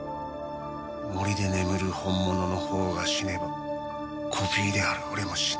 森で眠る本物のほうが死ねばコピーである俺も死ぬ。